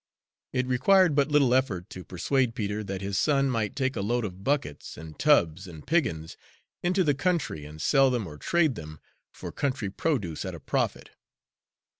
It required but little effort to persuade Peter that his son might take a load of buckets and tubs and piggins into the country and sell them or trade them for country produce at a profit.